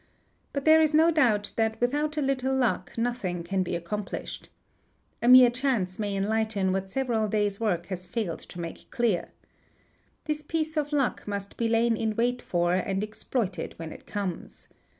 But there is no doubt that _ without a little luck nothing can be accomplished. A mere chance may enlighten what several days' work has failed to make clear. This piece of luck must be lain in wait for and exploited when it comes.